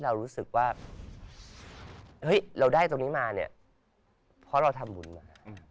เพราะเราทำบุญมา